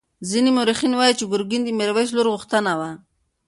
ځینې مورخین وایي چې ګرګین د میرویس لور غوښتې وه.